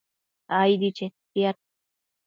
aidi chetiad